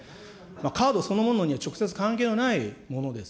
カードそのものには直接関係のないものです。